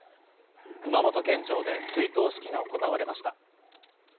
熊本県庁で追悼式が行われました。